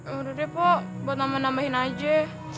udah deh pak buat nambahin aja